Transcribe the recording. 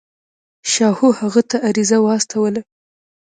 شاهو هغه ته عریضه واستوله.